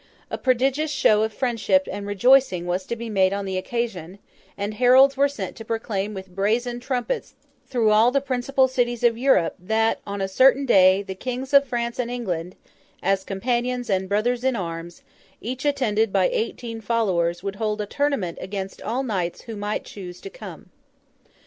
A prodigious show of friendship and rejoicing was to be made on the occasion; and heralds were sent to proclaim with brazen trumpets through all the principal cities of Europe, that, on a certain day, the Kings of France and England, as companions and brothers in arms, each attended by eighteen followers, would hold a tournament against all knights who might choose to come.